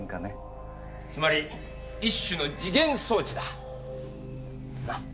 つまり一種の時限装置だ。な？